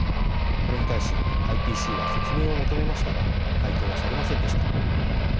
これに対しＩＰＣは説明を求めましたが回答はされませんでした。